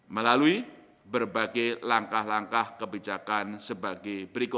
melalui berbagai langkah langkah kebijakan sebagai berikut